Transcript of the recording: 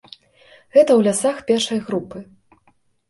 Гэта ў лясах першай групы.